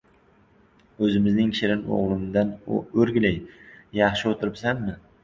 — O‘zimning shirin o‘g‘limdan o‘rgilay, yaxshi o‘tiribsanmi?